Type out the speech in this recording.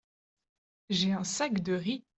J’ai un sac de riz.